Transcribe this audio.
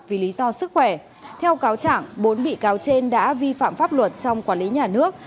vì lý do sức khỏe theo cáo trạng bốn bị cáo trên đã vi phạm pháp luật trong quản lý nhà nước